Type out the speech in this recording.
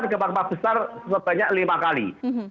nah itu gempa gempa besar sebanyak lima kali